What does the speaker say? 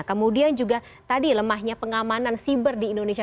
kemudian juga tadi lemahnya pengamanan siber di indonesia